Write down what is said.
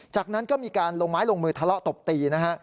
จากนั้นก็มีการลงไม้ลงมือทะเลาะตบตีนะฮะ